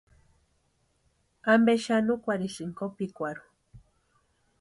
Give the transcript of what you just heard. ¿Ampe xani úkwarhisïnki kopikwarhu?